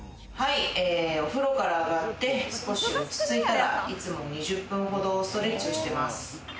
お風呂から上がって少し落ち着いたら、いつも２０分ほどストレッチをしてます。